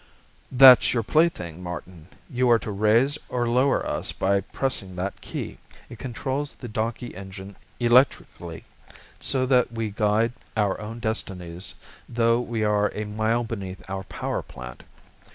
"That's your plaything, Martin. You are to raise or lower us by pressing that key. It controls the donkey engine electrically, so that we guide our own destinies though we are a mile beneath our power plant.